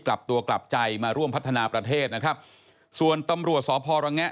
กลับตัวกลับใจมาร่วมพัฒนาประเทศนะครับส่วนตำรวจสพระแงะ